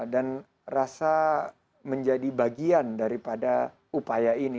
dan rasa menjadi bagian daripada upaya ini